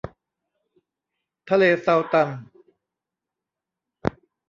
ทะเลซัลตัน